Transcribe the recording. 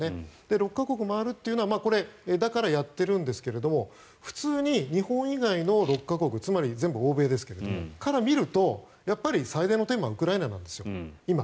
６か国を回るというのはだからやってるんですが普通に日本以外の６か国つまり、全部欧米ですがそこから見ると、やはり最大のテーマはウクライナなんですよ、今。